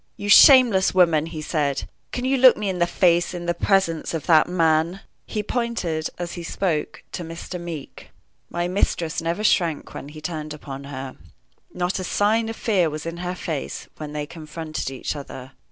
"You shameless woman!" he said. "Can you look me in the face in the presence of that man?" He pointed, as he spoke, to Mr. Meeke. My mistress never shrank when he turned upon her. Not a sign of fear was in her face when they confronted each other.